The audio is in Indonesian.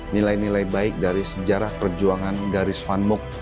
nilai nilai baik dari sejarah perjuangan garis fanmuk